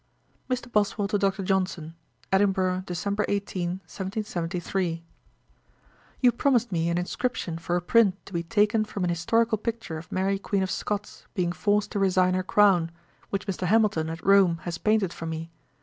'MR. BOSWELL TO DR. JOHNSON. 'Edinburgh, Dec. 18, 1773. 'You promised me an inscription for a print to be taken from an historical picture of Mary Queen of Scots being forced to resign her crown, which Mr. Hamilton at Rome has painted for me.